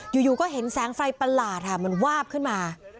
อยู่ก็เห็นแสงไฟประหลาดมันวาบขึ้นมา